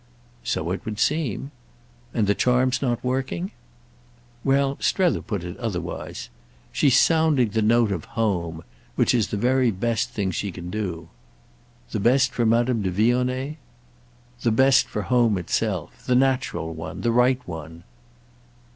"So it would seem." "And the charm's not working?" Well, Strether put it otherwise, "She's sounding the note of home—which is the very best thing she can do." "The best for Madame de Vionnet?" "The best for home itself. The natural one; the right one."